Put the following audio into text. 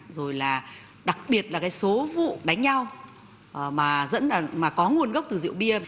rồi là đặc biệt là cái số vụ đánh nhau mà có nguồn gốc từ rượu bia